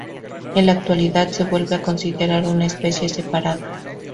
En la actualidad se vuelve a considerar una especie separada.